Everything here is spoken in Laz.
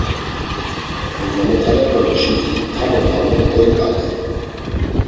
Bozomotalepemuşiti tamo tamo goyǩaley.